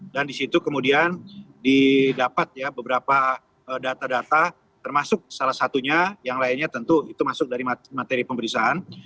dan di situ kemudian didapat beberapa data data termasuk salah satunya yang lainnya tentu itu masuk dari materi pemberi saan